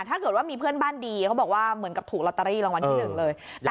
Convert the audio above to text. ถ้าเกิดว่ามีเพื่อนบ้านดีเขาบอกว่าเหมือนกับถูกลอตเตอรี่รางวัลที่๑เลย